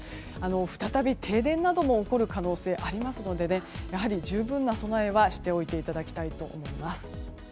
再び停電なども起こる可能性ありますのでやはり十分な備えはしていただきたいと思います。